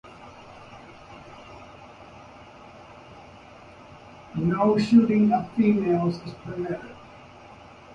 No shooting of females is permitted.